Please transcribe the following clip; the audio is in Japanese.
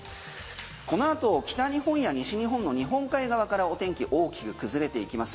この後北日本や西日本の日本海側からお天気大きく崩れていきます。